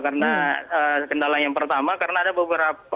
karena kendala yang pertama karena ada beberapa